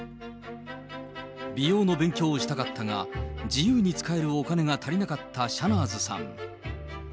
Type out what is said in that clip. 美容の勉強をしたかったが、自由に使えるお金が足りなかったシャナーズさん。